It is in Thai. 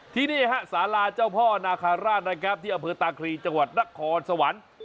ที่นี่ศาลาเจ้าพ่อนาคาราชที่อเผิดตากรีจังหวัดนครสวรรค์